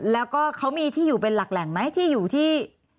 แล้วก็เขามีที่อยู่เป็นหลักแหล่งไหมที่อยู่ที่